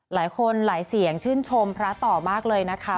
หลายคนหลายเสียงชื่นชมพระต่อมากเลยนะคะ